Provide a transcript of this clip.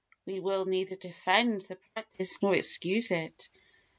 We will neither defend the practice nor excuse it.